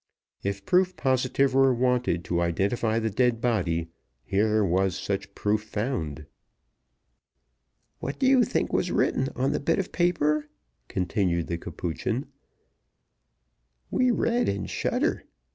If proof positive were wanted to identify the dead body, here was such proof found. "What do you think was written on the bit of paper?" continued the Capuchin "We read and shudder.